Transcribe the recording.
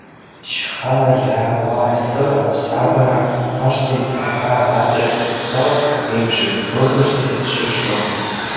Шьхала иаауа асы, аԥсабара ҟәашӡа иҭаҳәҳәа агаҿахь ишцо еиԥшын, дбыбышӡа дшышлахьаз.